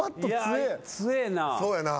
そうやな。